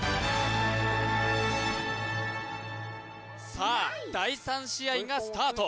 さあ第３試合がスタート